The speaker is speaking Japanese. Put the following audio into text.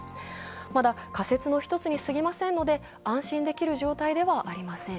まだ仮設の１つにすぎませんので、安心できる状態ではありません。